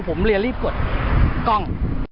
ผมเรียนรีบกดกล้อง